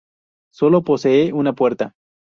Sólo posee una puerta.